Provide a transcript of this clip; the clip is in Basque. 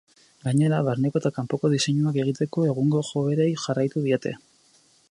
Gainera, barneko eta kanpoko diseinuak egiteko, egungo joerei jarraitu diete.